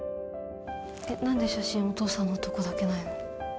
えっ何で写真お父さんのとこだけないの？